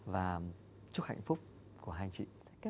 và chúc hạnh phúc của hai anh chị